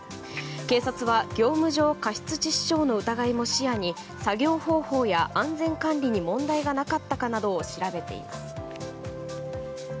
警察は業務上過失致死傷の疑いも視野に作業方法や安全管理に問題がなかったかなどを調べています。